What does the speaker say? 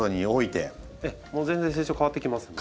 もう全然成長変わってきますんで。